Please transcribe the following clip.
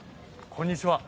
こんにちは。